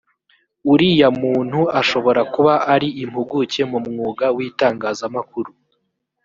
uriya muntu ashobora kuba ari impuguke mu mwuga w’ itangazamakuru